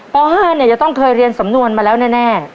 ป๕เนี่ยจะต้องเคยเรียนสำนวนมาแล้วแน่